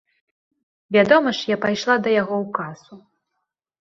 Вядома ж я пайшла да яго ў касу.